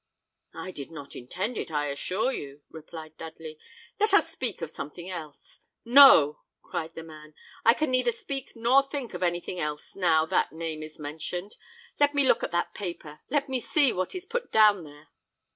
"I did not intend it, I can assure you," replied Dudley, "let us speak of something else." "No!" cried the man, "I can neither speak nor think of anything else now that name is mentioned. Let me look at that paper; let me see what is put down there."